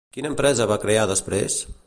Quina empresa va crear després?